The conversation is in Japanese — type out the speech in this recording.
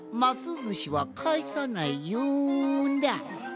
ずしはかえさないよんだ。